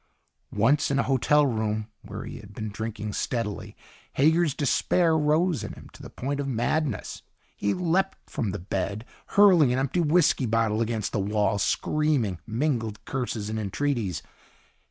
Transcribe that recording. Once, in a hotel room where he had been drinking steadily, Hager's despair rose in him to the point of madness. He leaped from the bed, hurling an empty whisky bottle against the wall, screaming mingled curses and entreaties.